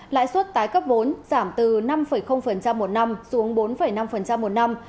lãi suất tái cấp vốn giảm từ năm một năm xuống bốn năm một năm